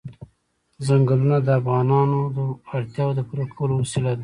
چنګلونه د افغانانو د اړتیاوو د پوره کولو وسیله ده.